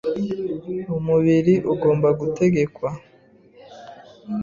Umubiri ugomba gutegekwa